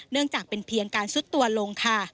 เนื่องจากเป็นเพียงการซุดตัวลงค่ะ